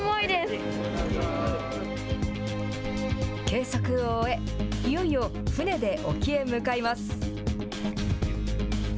計測を終え、いよいよ船で沖へ向かいます。